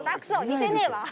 似てねえわ。